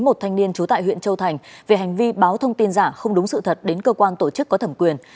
một thanh niên trú tại huyện châu thành về hành vi báo thông tin giả không đúng sự thật đến cơ quan tổ chức có thẩm quyền